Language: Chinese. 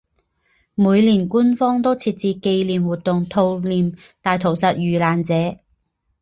每年官方都设置纪念活动悼念大屠杀遇难者。